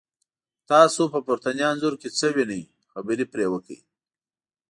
تاسو په پورتني انځور کې څه وینی، خبرې پرې وکړئ؟